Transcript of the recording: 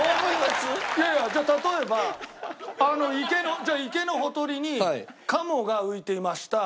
いやじゃあ例えば池のほとりにカモが浮いていました。